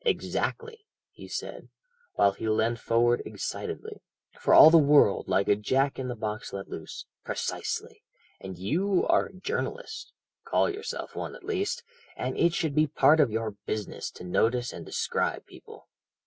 "Exactly," he said, while he leant forward excitedly, for all the world like a Jack in the box let loose. "Precisely; and you are a journalist call yourself one, at least and it should be part of your business to notice and describe people.